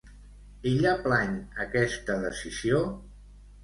Ella plany aquesta decisió?